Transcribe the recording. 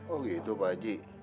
oh gitu pak haji